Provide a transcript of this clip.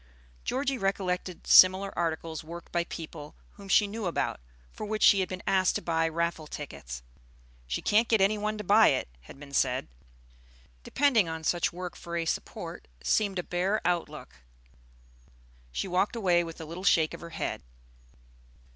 Georgie recollected similar articles worked by people whom she knew about, for which she had been asked to buy raffle tickets. "She can't get any one to buy it," had been said. Depending on such work for a support seemed a bare outlook. She walked away with a little shake of her head.